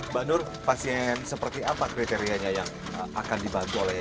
mbak nur pasien seperti apa kriterianya yang akan dibantu oleh